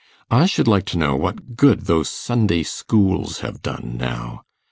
I should like to know what good those Sunday schools have done, now.